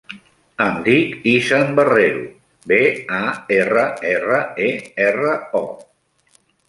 Em dic Izan Barrero: be, a, erra, erra, e, erra, o.